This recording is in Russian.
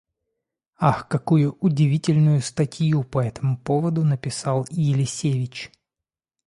Ах, какую удивительную статью по этому поводу написал Елисевич!